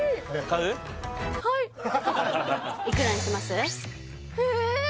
いくらにします？